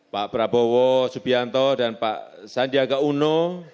pak prabowo subianto dan pak sandiaga uno